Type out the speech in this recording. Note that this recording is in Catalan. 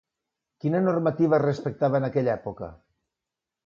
Quina normativa es respectava en aquella època?